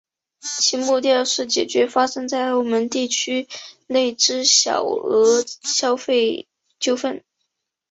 其目标是解决发生在澳门地区内之小额消费纠纷。